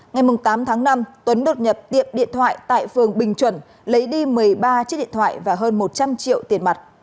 ngày tám tháng năm tuấn đột nhập tiệm điện thoại tại phường bình chuẩn lấy đi một mươi ba chiếc điện thoại và hơn một trăm linh triệu tiền mặt